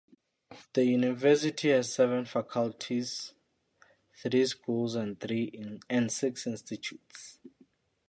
The university has seven faculties, three schools and six institutes.